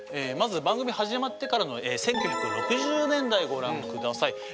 まず番組始まってからの１９６０年代ご覧下さい。